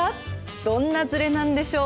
どんなずれなんでしょう。